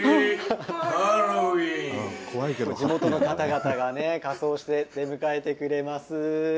地元の方々が仮装して出迎えてくれます。